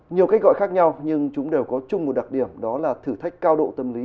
nhiều cách gọi khác nhau nhưng chúng đều có chung một đặc điểm đó là thử thách cao độ tâm lý